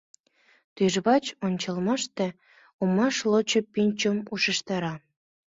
Тӱжвач ончымаште омаш лочо пӱнчым ушештара.